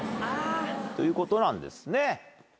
ということなんですね。